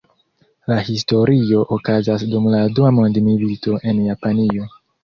La historio okazas dum la dua mondmilito en Japanio.